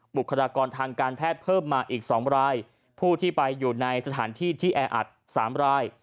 บุคลากรทางการแพทย์เพิ่มมาอีก๒รายผู้ที่ไปอยู่ในสถานที่ที่แออัดสามราย